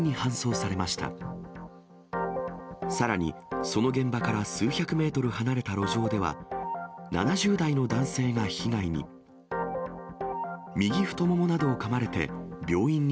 さらに、その現場から数百メートル離れた路上では、７０代の男性が被害に。